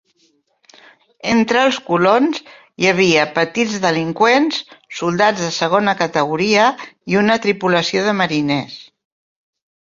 Entre els colons hi havia petits delinqüents, soldats de segona categoria i una tripulació de mariners.